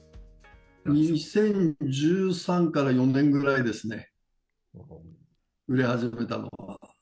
２０１３から４年ぐらいですね、売れ始めたのは。